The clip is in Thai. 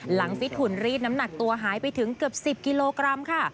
ฟิตหุ่นรีดน้ำหนักตัวหายไปถึงเกือบ๑๐กิโลกรัมค่ะ